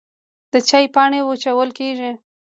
د چای پاڼې وچول کیږي